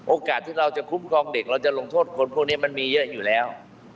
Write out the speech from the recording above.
โอกาสที่เราจะคุ้มครองเด็กเราจะลงโทษคนพวกนี้มันมีเยอะอยู่แล้ว